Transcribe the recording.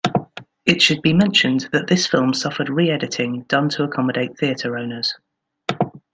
It should be mentioned that this film suffered re-editing done to accommodate theater owners.